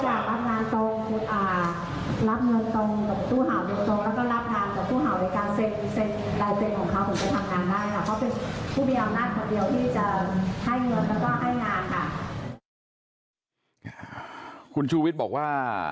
เพราะเป็นผู้เบียบนัดคนเดียวที่จะให้เงินแล้วก็ให้งานค่ะคุณชูวิชบอกว่า